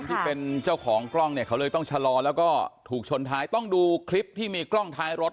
ที่เป็นเจ้าของกล้องเนี่ยเขาเลยต้องชะลอแล้วก็ถูกชนท้ายต้องดูคลิปที่มีกล้องท้ายรถ